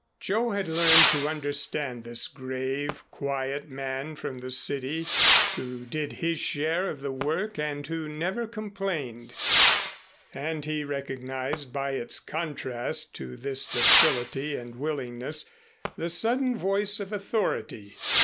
_" Joe had learned to understand this grave, quiet man from the city, who did his share of the work and who never complained, and he recognized, by its contrast to this docility and willingness, the sudden voice of authority.